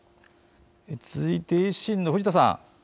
続いて維新の藤田さん。